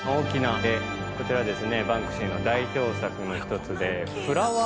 こちらバンクシーの代表作の１つで。